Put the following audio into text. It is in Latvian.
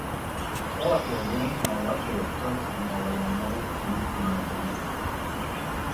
Kokle ir viens no latviešu tradicionālajiem mūzikas instrumentiem.